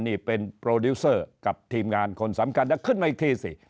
นี่เป็นโปรดิวเซอร์กับทีมงานคนสำคัญเดี๋ยวขึ้นมาอีกทีสิ